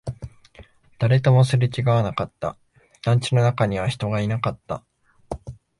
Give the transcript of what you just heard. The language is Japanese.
誰ともすれ違わなかった、団地の中には人がいなかった